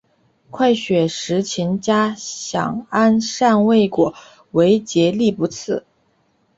快雪时晴佳想安善未果为结力不次。